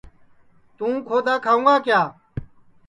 توں کھودؔا کھاوں گا کیا